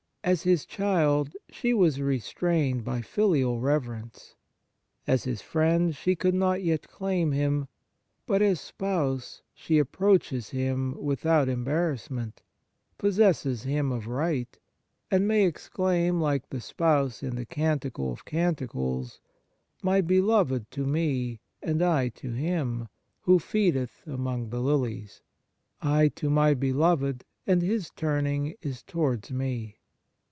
As His child she was restrained by filial reverence, as His friend she could not yet claim Him, but as Spouse she ap proaches Him without embarrassment, possesses Him of right, and may exclaim, like the Spouse in the Canticle of Canticles, " My Beloved to me, and I to Him, who feedeth among the lilies." " I to my Beloved, and His turning is towards me."